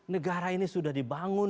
negara ini sudah dibangun